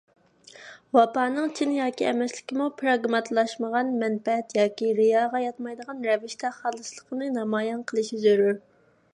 ۋاپانىڭ چىن ياكى ئەمەسلىكىمۇ پىراگماتلاشمىغان، مەنپەئەت ياكى رىياغا ياتمايدىغان رەۋىشتە خالىسلىقىنى نامايان قېلىشى زۆرۈر.